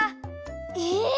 え！